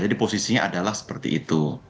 posisinya adalah seperti itu